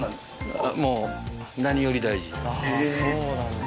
ああそうなんだ。